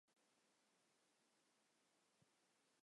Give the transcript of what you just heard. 否则完全可能受到各强富之国的干预制裁。